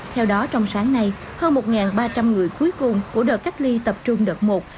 theo đó trong sáng nay hơn một ba trăm linh người cuối cùng của đợt cách ly tập trung đợt một